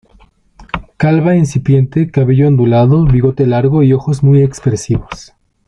Calva incipiente, cabello ondulado, bigote largo y ojos muy expresivos.